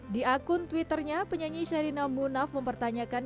di akun twitternya penyanyi sherina munaf mempertanyakan